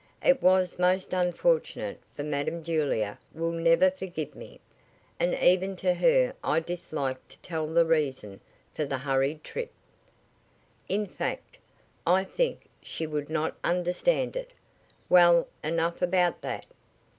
It was most unfortunate, for Madam Julia will never forgive me, and even to her I dislike to tell the reason for the hurried trip. In fact, I think she would not understand it. Well, enough about that.